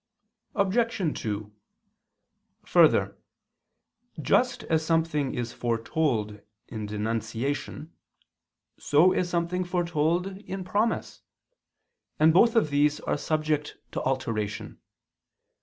Obj. 2: Further, just as something is foretold in denunciation, so is something foretold in promise, and both of these are subject to alteration.